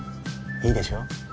いいでしょ？